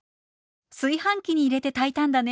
炊飯器に入れて炊いたんだね！」。